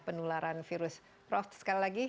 penularan virus prof sekali lagi